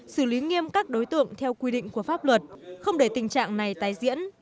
xử lý nghiêm các đối tượng theo quy định của pháp luật không để tình trạng này tái diễn